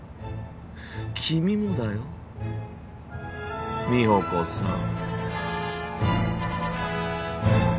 君もだよ美保子さん。